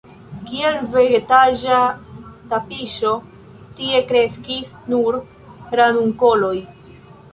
Kiel vegetaĵa tapiŝo tie kreskis nur ranunkoloj.